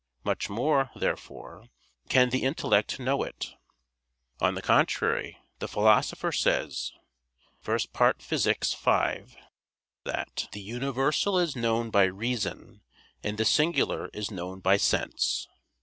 Much more, therefore, can the intellect know it. On the contrary, The Philosopher says (Phys. i, 5), that "the universal is known by reason; and the singular is known by sense."